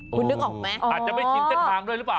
คุณนึกออกไหมอาจจะไม่ชินเส้นทางด้วยหรือเปล่า